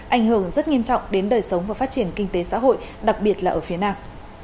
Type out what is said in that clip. ảnh hưởng rất nghiêm trọng đến đời sống và phát triển kinh tế xã hội đặc biệt là ở phía nam